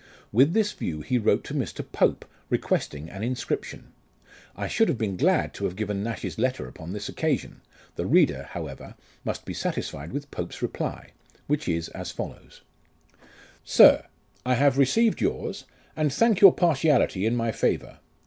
With this view he wrote to Mr. Pope, requesting an inscription. I should have been glad to have given Nash's letter upon this occasion ; the reader, however, must be satisfied with Pope's reply, which is as follows :" SIR : I have received yours, and thank your partiality in my favour.